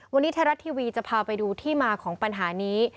วันนี้ไทยรัฐทีวีจะพาไปดูที่มาของปัญหานี้